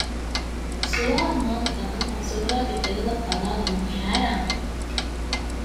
ސުވާލު މާކުތަކަކުން ޒޯރާގެ ދެލޮލަށް ބަލާލަމުން ހައިރާން ވި